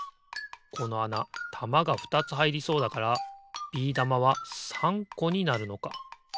このあなたまがふたつはいりそうだからビー玉は３こになるのか。